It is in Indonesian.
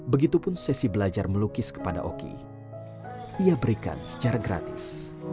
begitupun sesi belajar melukis kepada oki ia berikan secara gratis